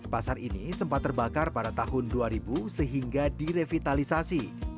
pasar ini sempat terbakar pada tahun dua ribu sehingga direvitalisasi